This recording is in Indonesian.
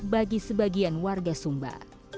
bagi sebagian warga sumba